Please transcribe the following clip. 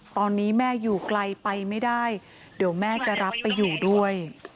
ตอนนี้แม่อยู่ไกลไปไม่ได้เดี๋ยวแม่จะรับไปอยู่ด้วย